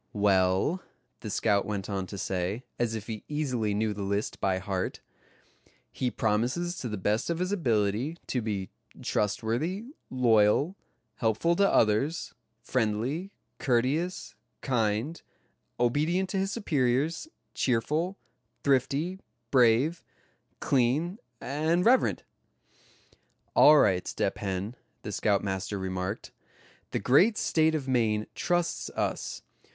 "Well," the scout went on to say, as if he easily knew the list by heart; "he promises to the best of his ability to be trustworthy, loyal, helpful to others, friendly, courteous, kind, obedient to his superiors, cheerful, thrifty, brave, clean and reverent." "All right, Step Hen," the scoutmaster remarked, "the great State of Maine trusts us.